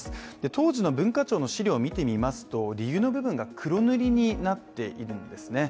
当時の文化庁の資料を見てみますと理由の部分が黒塗りになっているんですね。